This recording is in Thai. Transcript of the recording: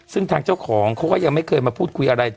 ซึ่งทางเจ้าของเขาก็ยังไม่เคยมาพูดคุยอะไร